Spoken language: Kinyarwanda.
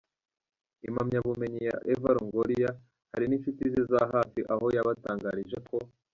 impamyabumenyi ya Eva Longoria, hari ninshuti ze za hafi aho yabatangarije ko.